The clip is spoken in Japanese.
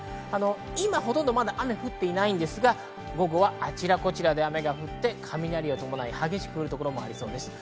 今ほとんどまだ雨降ってないですが、午後はあちらこちらで雨が降って、雷を伴い、激しく降る所もありそうです。